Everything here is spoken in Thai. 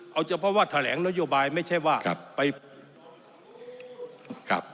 เอาเฉพาะว่าทะแหลงนโยบายไม่ใช่ว่า